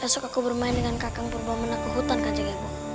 esok aku bermain dengan kakang perbaman aku hutan kanjeng ibu